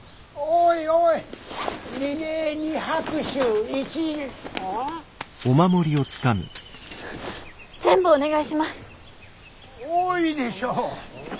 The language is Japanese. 多いでしょ。